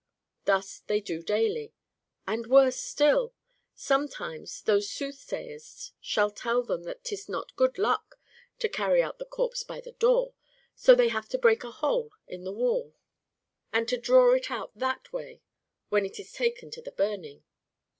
Thus they do daily. And worse still ! Some times those soothsayers shall tell them that 'tis not good luck to carry out the corpse by the door, so they have to break a hole in the wall, and to draw It out that way when it is taken to the burning.